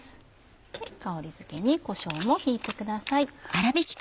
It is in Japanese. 香りづけにこしょうもひいてください。